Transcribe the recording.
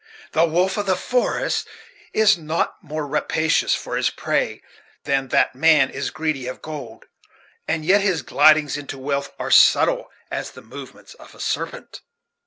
"The wolf of the forest is not more rapacious for his prey than that man is greedy of gold; and yet his glidings into wealth are subtle as the movements of a serpent."